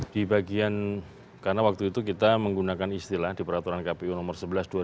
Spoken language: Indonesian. di bagian karena waktu itu kita menggunakan istilah di peraturan kpu nomor sebelas dua ribu dua puluh